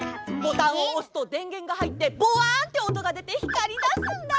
ボタンをおすとでんげんがはいってボワンっておとがでてひかりだすんだ！